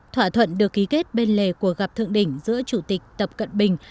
thỏa thuận được ký kết bên lề của gặp thượng đỉnh giữa chủ tịch tập cận bình